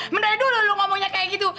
mendari dulu lu ngomongnya kayak gitu